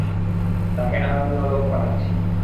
তাকে আনার জন্যে লোক পাঠাচ্ছি।